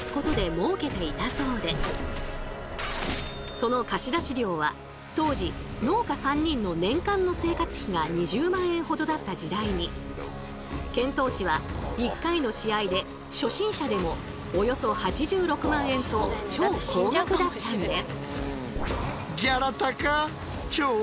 その貸出料は当時農家３人の年間の生活費が２０万円ほどだった時代に剣闘士は１回の試合で初心者でもおよそ８６万円と超高額だったんです。